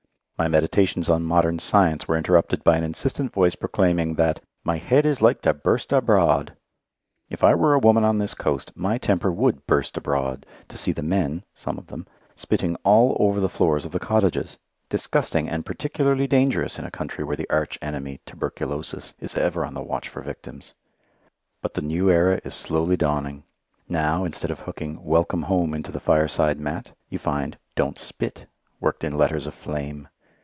My meditations on modern science were interrupted by an insistent voice proclaiming that "my head is like to burst abroad." If I were a woman on this coast my temper would "burst abroad" to see the men some of them spitting all over the floors of the cottages: disgusting and particularly dangerous in a country where the arch enemy, tuberculosis, is ever on the watch for victims. But the new era is slowly dawning. Now, instead of hooking "Welcome Home" into the fireside mat, you find "DONT SPIT" worked in letters of flame.